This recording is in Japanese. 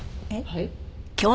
はい？